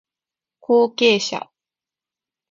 後継者